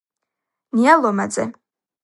ნია ლომაძე